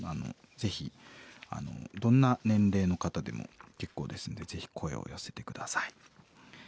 ぜひどんな年齢の方でも結構ですんでぜひ声を寄せて下さい。